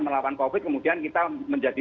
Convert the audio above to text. melawan covid kemudian kita menjadi